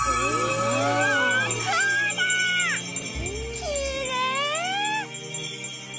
きれい！